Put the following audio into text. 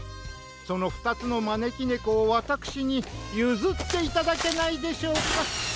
そのふたつのまねきねこをわたくしにゆずっていただけないでしょうか？